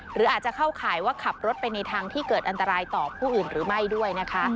หรืออาจจะเข้าข่ายว่าขับรถไปในทางที่เกิดอันตรายต่อผู้อื่นหรือไม่ด้วยนะคะ